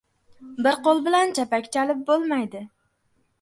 • Bir qo‘l bilan chapak chalib bo‘lmaydi.